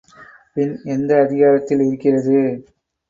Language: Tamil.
பின் எந்த அதிகாரத்தில் இருக்கிறது?